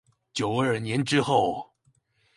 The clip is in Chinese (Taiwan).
九二年之後